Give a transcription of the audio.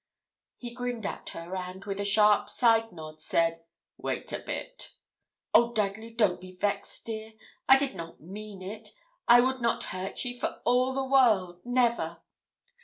He grinned at her, and, with a sharp side nod, said 'Wait a bit.' 'Oh, Dudley, don't be vexed, dear. I did not mean it. I would not hurt ye for all the world. Never.'